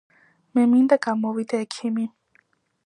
მე მინდა გამოვიდე ექიმი